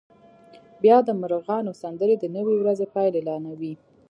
بیا د مرغانو سندرې د نوې ورځې پیل اعلانوي